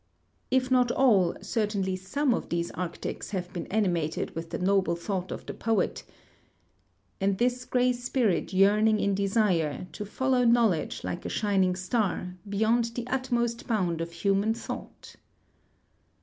If not all, certainly some of these arctics have been animated with the noble thought of the poet : And this gray spirit yearning in desire To follow knowledge like a shining star Beyond the utmost bound of human thought.